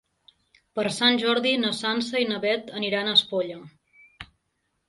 Per Sant Jordi na Sança i na Beth aniran a Espolla.